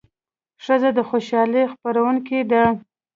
ښځه د خوشالۍ خپروونکې ده.